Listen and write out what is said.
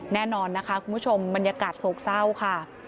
แน่นอนนะคะคุณผู้ชมบรรยากาศโศกเศร้าค่ะ